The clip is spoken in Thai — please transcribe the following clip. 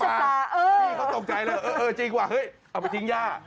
นี่เขาตกใจเลยเออจริงกว่าเฮ้ยเอาไปทิ้งย่า